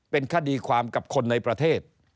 เป็นคดีความกับคนในประเทศ